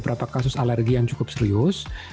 alergi yang cukup serius